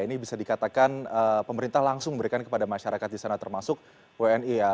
ini bisa dikatakan pemerintah langsung memberikan kepada masyarakat di sana termasuk wni ya